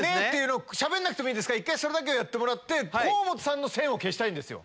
しゃべらなくてもいいから１回それだけをやってもらって河本さんの線を消したいんです。